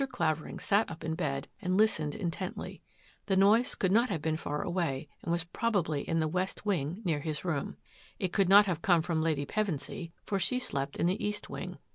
Clavering sat up in bed and listen* tently. The noise could not have been far and was probably in the west wing near his It could not have come from Lady Pevenj she slept in the east wing.